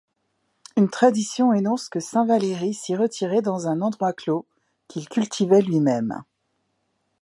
Une tradition énonce que saint Valery s'y retirait dans un enclos qu'il cultivait lui-même.